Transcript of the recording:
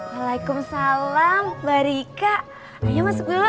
waalaikumsalam mbak rika ayo masuk dulu